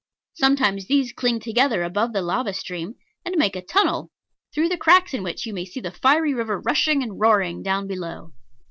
Sometimes these cling together above the lava stream, and make a tunnel, through the cracks in which you may see the fiery river rushing and roaring down below.